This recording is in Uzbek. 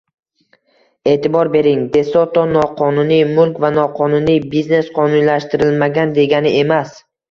E'tibor bering, De Soto noqonuniy mulk va noqonuniy biznes qonuniylashtirilmagan degani emas